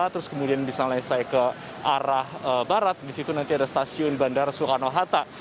terus kemudian misalnya saya ke arah barat disitu nanti ada stasiun bandara soekarno hatta